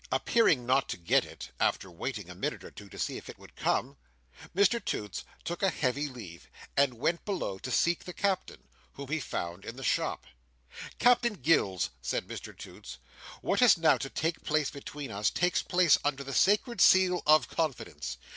Appearing not to get it, after waiting a minute or two to see if it would come, Mr Toots took a hasty leave, and went below to seek the Captain, whom he found in the shop. "Captain Gills," said Mr Toots, "what is now to take place between us, takes place under the sacred seal of confidence.